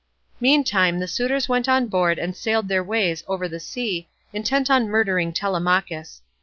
Meantime the suitors went on board and sailed their ways over the sea, intent on murdering Telemachus.